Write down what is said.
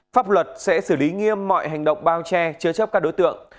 pháp luật sẽ xử lý nghiêm mọi hành động bao che chứa chấp các đối tượng